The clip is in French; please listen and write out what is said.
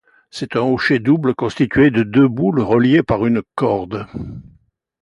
C'est un hochet double constitué de deux boules reliées par une corde.